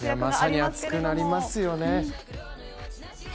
まさに熱くなりますよね